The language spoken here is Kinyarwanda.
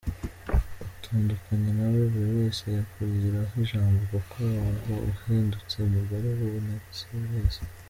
Utandukanye nawe, buri wese yakugiraho ijambo kuko wabauhindutse umugore w’ubonetse wese.